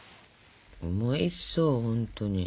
おいしそうほんとに。